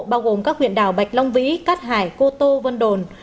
bao gồm các huyện đảo bạch long vĩ cát hải cô tô vân đồn